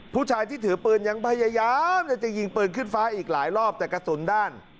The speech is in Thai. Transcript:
ผู้ชายที่ถือปืนยังพยายามจะยิงปืนขึ้นฟ้าอีกหลายรอบแต่กระสุนด้าน